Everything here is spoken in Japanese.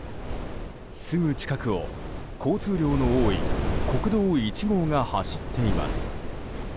すぐ近くを交通量の多い国道１号が走っています。